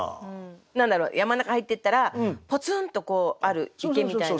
何だろう山の中入ってったらポツンとある池みたいな。